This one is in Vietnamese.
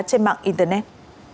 trên mạng internet